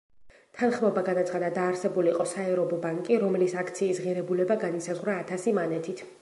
თანხმობა განაცხადა, დაარსებულიყო საერობო ბანკი, რომლის აქციის ღირებულება განისაზღვრა ათასი მანეთით.